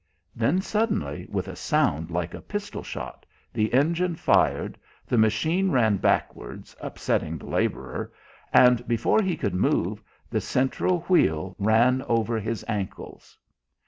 Then, suddenly, with a sound like a pistol shot, the engine "fired," the machine ran backwards, upsetting the labourer, and before he could move, the central wheel ran over his ankles.